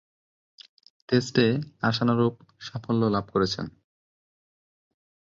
টেস্টে আশানুরূপ সাফল্য লাভ করেন।